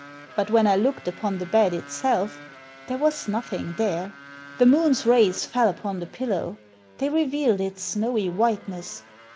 But when I looked upon the bed itself— there was nothing there. The moon's rays fell upon the pillow. They revealed its snowy whiteness.